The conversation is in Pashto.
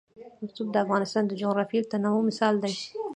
رسوب د افغانستان د جغرافیوي تنوع مثال دی.